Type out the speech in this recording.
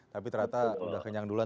tapi ternyata udah kenyang duluan